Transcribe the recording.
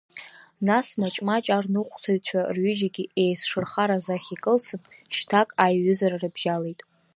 Нас маҷ-маҷ арныҟәцаҩцәа рҩыџьегь еицшырхараз ахь икылсын, шьҭак аиҩызара рыбжьалеит.